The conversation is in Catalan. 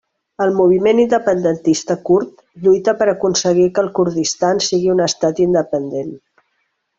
El moviment independentista kurd lluita per aconseguir que el Kurdistan sigui un estat independent.